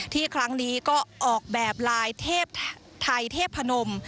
ครั้งนี้ก็ออกแบบลายเทพไทยเทพนม